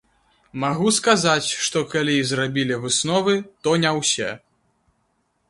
Магу сказаць, што калі і зрабілі высновы, то не ўсе.